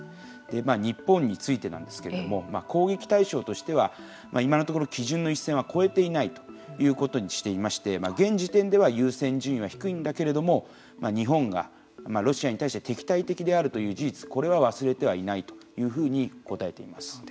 日本についてなんですけれども攻撃対象としては、今のところ基準の一線は越えていないということにしていまして現時点では優先順位は低いんだけれども日本がロシアに対して敵対的であるという事実これは忘れてはいないというふうに答えています。